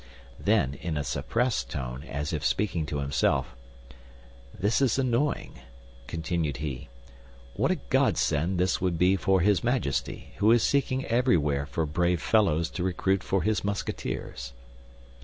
Then, in a suppressed tone, as if speaking to himself, "This is annoying," continued he. "What a godsend this would be for his Majesty, who is seeking everywhere for brave fellows to recruit for his Musketeers!"